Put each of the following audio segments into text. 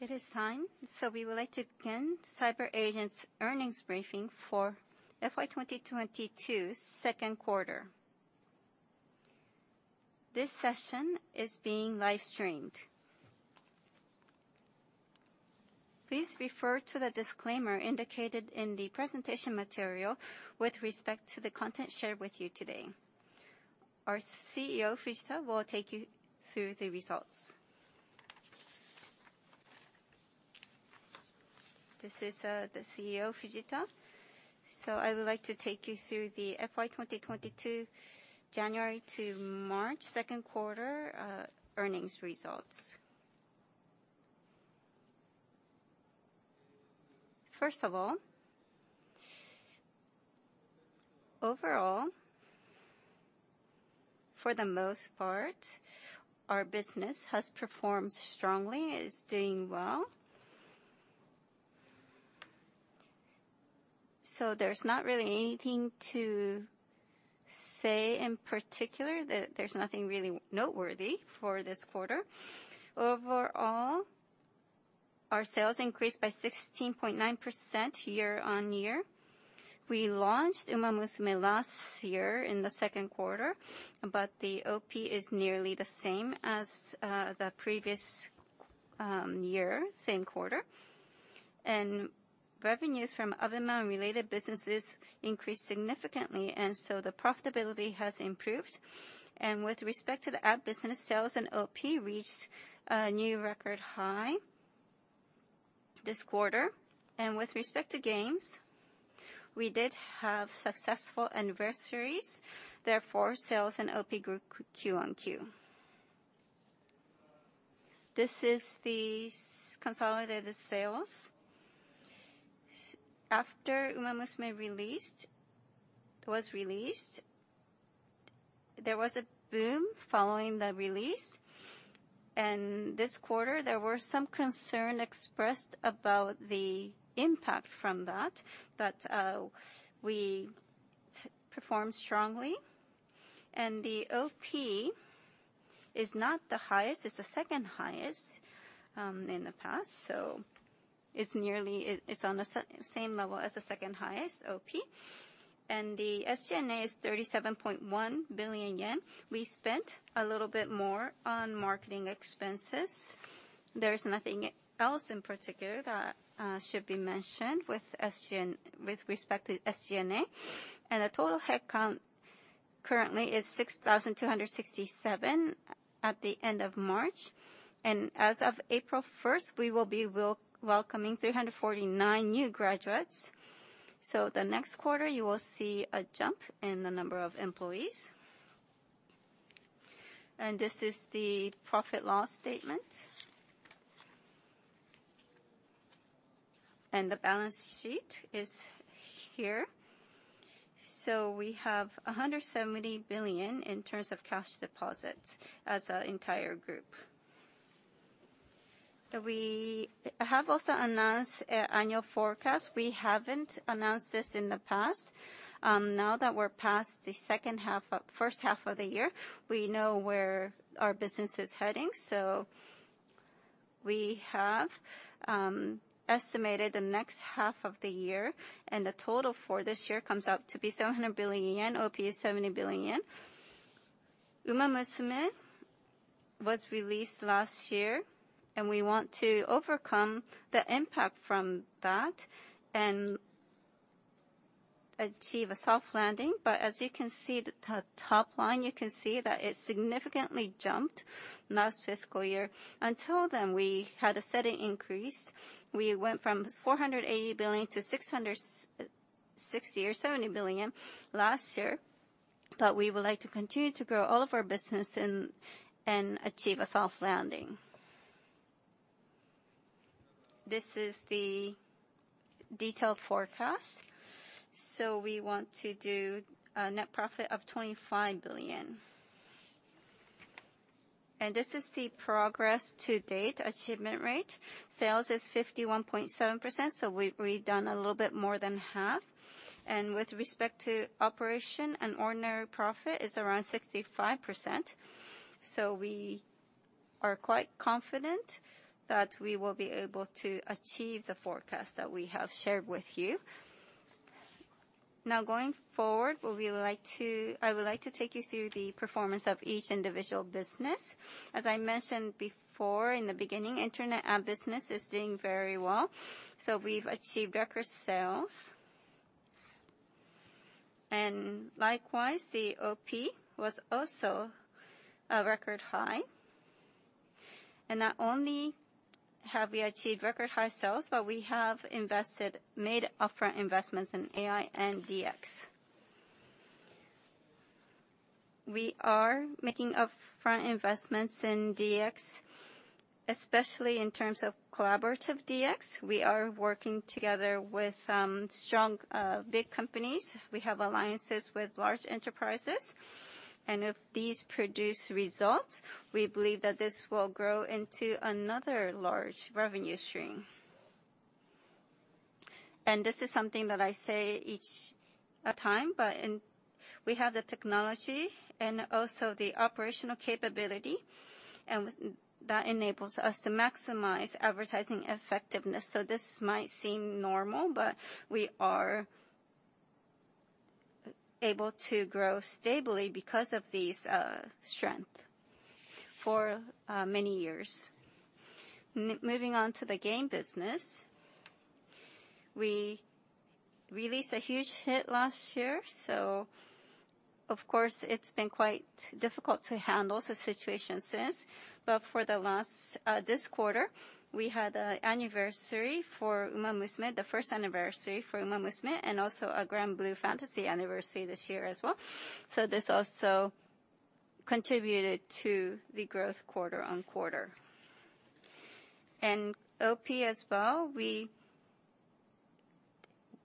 It is time, so we would like to begin CyberAgent's earnings briefing for FY 2022's second quarter. This session is being live streamed. Please refer to the disclaimer indicated in the presentation material with respect to the content shared with you today. Our CEO, Fujita, will take you through the results. This is the CEO, Fujita. I would like to take you through the FY 2022, January to March second quarter, earnings results. First of all, overall, for the most part, our business has performed strongly, is doing well. There's not really anything to say in particular that there's nothing really noteworthy for this quarter. Overall, our sales increased by 16.9% year-on-year. We launched Umamusume last year in the second quarter, but the OP is nearly the same as the previous year, same quarter. Revenues from other amount related businesses increased significantly, so the profitability has improved. With respect to the app business, sales and OP reached a new record high this quarter. With respect to games, we did have successful anniversaries. Therefore, sales and OP grew Q-on-Q. This is the consolidated sales. After Umamusume released, there was a boom following the release. This quarter, there were some concern expressed about the impact from that, but we performed strongly. The OP is not the highest, it's the second highest in the past, so it's nearly on the same level as the second highest OP. The SG&A is 37.1 billion yen. We spent a little bit more on marketing expenses. There's nothing else in particular that should be mentioned with respect to SG&A. The total head count currently is 6,267 at the end of March. As of April 1st, we will be welcoming 349 new graduates. The next quarter you will see a jump in the number of employees. This is the profit and loss statement. The balance sheet is here. We have 170 billion in terms of cash deposits as an entire group. We have also announced annual forecast. We haven't announced this in the past. Now that we're past the first half of the year, we know where our business is heading, so we have estimated the next half of the year. The total for this year comes out to be 700 billion yen, OP is 70 billion yen. Umamusume was released last year, and we want to overcome the impact from that and achieve a soft landing. As you can see, the top line, you can see that it significantly jumped last fiscal year. Until then, we had a steady increase. We went from 480 billion to 660 billion or 670 billion last year. We would like to continue to grow all of our business and achieve a soft landing. This is the detailed forecast. We want to do a net profit of 25 billion. This is the progress to date achievement rate. Sales is 51.7%, so we've done a little bit more than half. With respect to operation and ordinary profit is around 65%. We are quite confident that we will be able to achieve the forecast that we have shared with you. Now going forward, I would like to take you through the performance of each individual business. As I mentioned before in the beginning, internet app business is doing very well, so we've achieved record sales. Likewise, the OP was also a record high. Not only have we achieved record high sales, but we have invested, made upfront investments in AI and DX. We are making upfront investments in DX, especially in terms of collaborative DX. We are working together with strong big companies. We have alliances with large enterprises. If these produce results, we believe that this will grow into another large revenue stream. This is something that I say each time. We have the technology and also the operational capability, and that enables us to maximize advertising effectiveness. This might seem normal, but we are able to grow stably because of these strengths for many years. Moving on to the game business, we released a huge hit last year, so of course it's been quite difficult to handle the situation since. But this quarter, we had an anniversary for Umamusume, the first anniversary for Umamusume, and also a Granblue Fantasy anniversary this year as well. This also contributed to the growth quarter-on-quarter. OP as well, we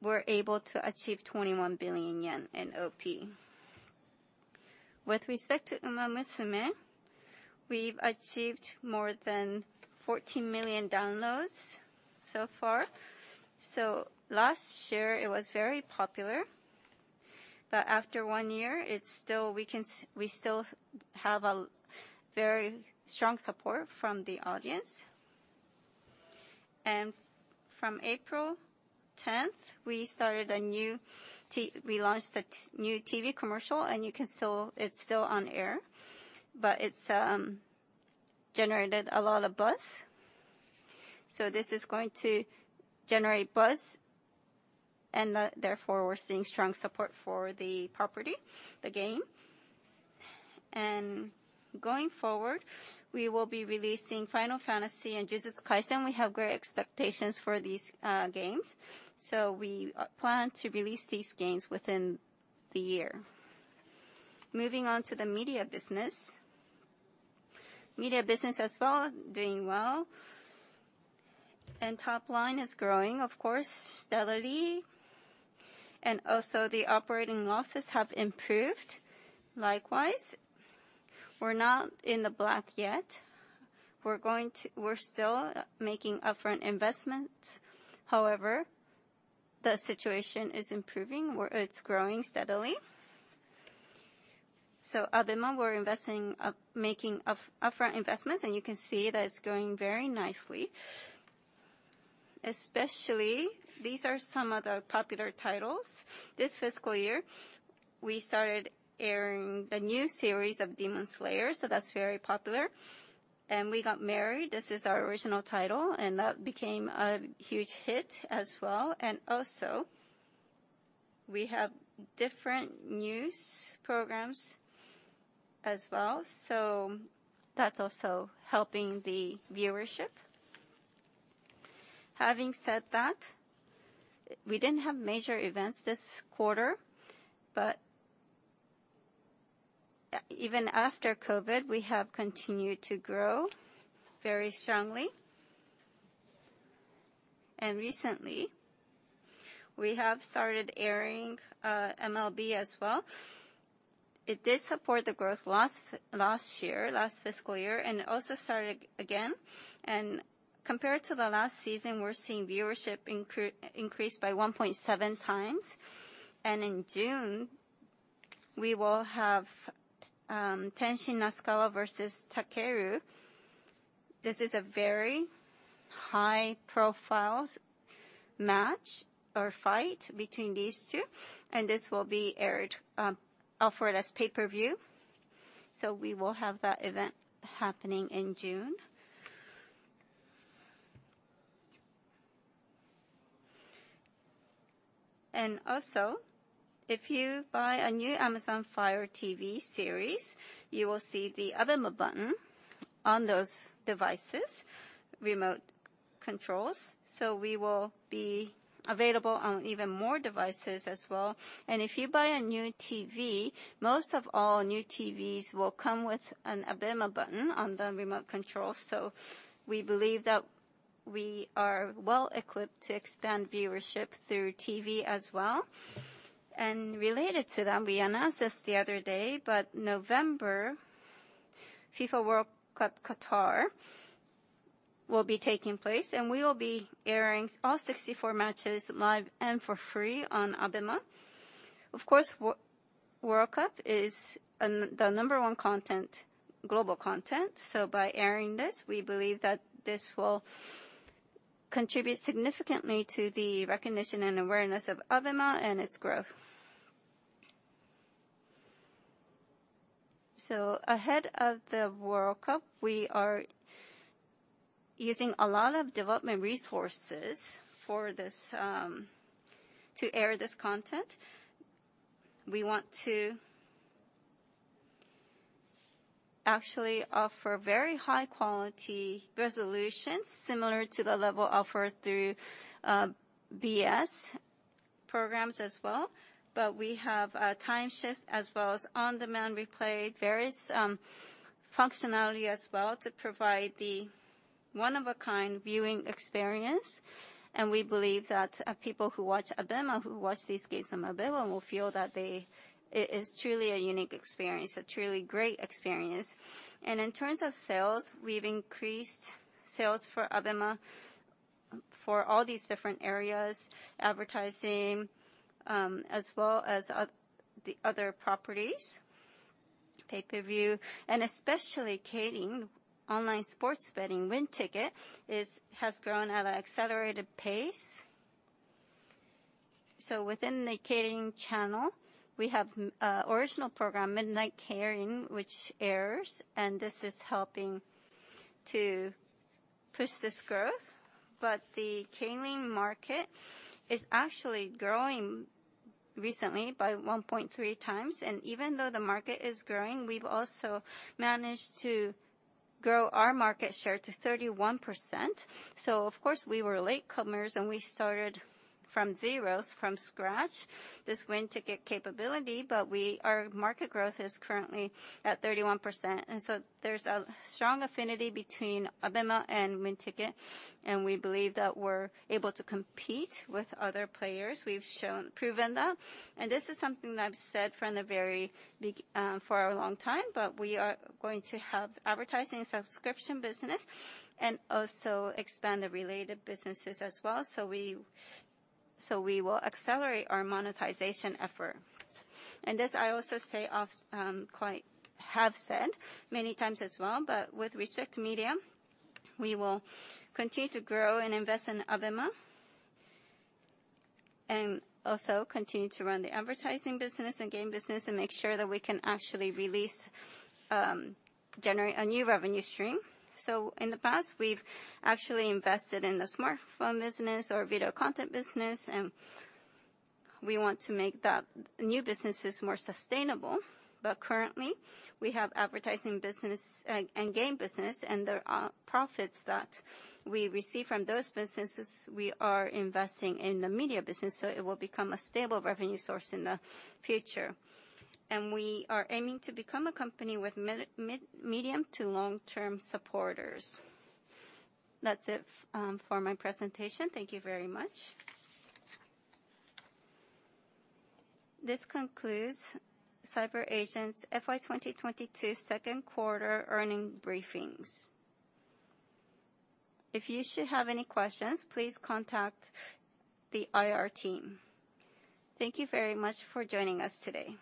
were able to achieve 21 billion yen in OP. With respect to Umamusume, we've achieved more than 14 million downloads so far. Last year it was very popular, but after one year, it's still we still have a very strong support from the audience. From April 10th, we launched a new TV commercial, and it's still on air. It's generated a lot of buzz. This is going to generate buzz and therefore we're seeing strong support for the property, the game. Going forward, we will be releasing Final Fantasy and Jujutsu Kaisen. We have great expectations for these games. We plan to release these games within the year. Moving on to the media business. Media business as well doing well. Top line is growing, of course, steadily. Also the operating losses have improved likewise. We're not in the black yet. We're still making upfront investments. However, the situation is improving or it's growing steadily. ABEMA, we're making upfront investments, and you can see that it's growing very nicely. Especially these are some of the popular titles. This fiscal year we started airing the new series of Demon Slayer, so that's very popular. We Got Married, this is our original title, and that became a huge hit as well. We also have different news programs as well, so that's also helping the viewership. Having said that, we didn't have major events this quarter, but even after COVID, we have continued to grow very strongly. Recently, we have started airing MLB as well. It did support the growth last year, last fiscal year, and it also started again. Compared to the last season, we're seeing viewership increase by 1.7x. In June, we will have Tenshin Nasukawa versus Takeru. This is a very high-profile match or fight between these two, and this will be aired, offered as pay-per-view. We will have that event happening in June. Also, if you buy a new Amazon Fire TV series, you will see the ABEMA button on those devices' remote controls. We will be available on even more devices as well. If you buy a new TV, most of all new TVs will come with an ABEMA button on the remote control. We believe that we are well equipped to extend viewership through TV as well. Related to that, we announced this the other day, but November, FIFA World Cup Qatar will be taking place, and we will be airing all 64 matches live and for free on ABEMA. Of course, World Cup is an, the number one content, global content. By airing this, we believe that this will contribute significantly to the recognition and awareness of ABEMA and its growth. Ahead of the World Cup, we are using a lot of development resources for this, to air this content. We want to actually offer very high-quality resolution similar to the level offered through, BS programs as well. We have a time shift as well as on-demand replay, various functionality as well to provide the one-of-a-kind viewing experience. We believe that people who watch ABEMA, who watch these games on ABEMA will feel that they, it is truly a unique experience, a truly great experience. In terms of sales, we've increased sales for ABEMA for all these different areas, advertising, as well as the other properties, pay-per-view, and especially Keirin, online sports betting WINTICKET has grown at an accelerated pace. Within the Keirin channel, we have original program, Midnight Keirin, which airs, and this is helping to push this growth. The Keirin market is actually growing recently by 1.3x. Even though the market is growing, we've also managed to grow our market share to 31%. Of course, we were latecomers, and we started from zero, from scratch, this WINTICKET capability, but our market growth is currently at 31%. There's a strong affinity between ABEMA and WINTICKET, and we believe that we're able to compete with other players. We've shown, proven that. This is something that I've said for a long time, but we are going to have advertising subscription business and also expand the related businesses as well. We will accelerate our monetization efforts. This I also say often, quite have said many times as well, but with respect to media, we will continue to grow and invest in ABEMA. Also continue to run the advertising business and game business and make sure that we can actually release, generate a new revenue stream. In the past, we've actually invested in the smartphone business or video content business, and we want to make the new businesses more sustainable. Currently, we have advertising business and game business, and there are profits that we receive from those businesses. We are investing in the media business, so it will become a stable revenue source in the future. We are aiming to become a company with medium to long-term supporters. That's it, for my presentation. Thank you very much. This concludes CyberAgent's FY 2022 second quarter earnings briefing. If you should have any questions, please contact the IR team. Thank you very much for joining us today.